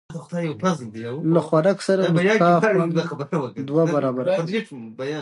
له خوراک سره موسکا، خوند دوه برابره کوي.